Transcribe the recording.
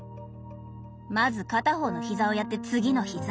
まず片方の膝をやって次の膝。